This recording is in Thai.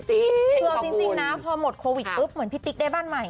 คือเอาจริงนะพอหมดโควิดปุ๊บเหมือนพี่ติ๊กได้บ้านใหม่